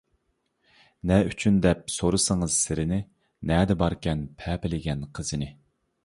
نە ئۈچۈن دەپ سورىسىڭىز سىرىنى، نەدە باركەن پەپىلىگەن قىزىنى.